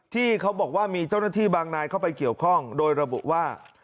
ที่เขาบอกว่ามีเจ้าหน้าที่บางนายเข้าไปเกี่ยวข้องโดยระบุว่า